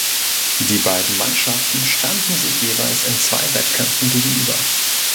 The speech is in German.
Die beiden Mannschaften standen sich jeweils in zwei Wettkämpfen gegenüber.